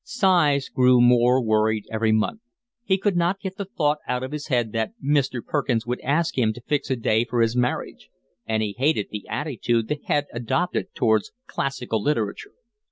Sighs grew more worried every month; he could not get the thought out of his head that Mr. Perkins would ask him to fix a day for his marriage; and he hated the attitude the head adopted towards classical literature.